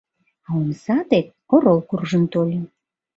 А омса дек орол куржын тольо